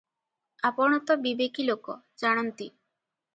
ଆପଣ ତ ବିବେକୀ ଲୋକ, ଜାଣନ୍ତି ।